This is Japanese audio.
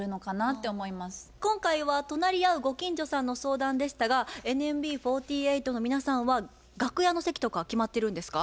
今回は隣り合うご近所さんの相談でしたがＮＭＢ４８の皆さんは楽屋の席とかは決まってるんですか？